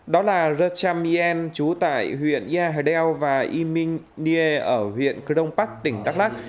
đó là rất tram yen trú tại huyện nha hờ đeo và y minh nhiê ở huyện crong pak tỉnh đắk lắc